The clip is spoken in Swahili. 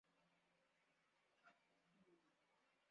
Wasubi hupatikana katika wilaya ya Biharamulo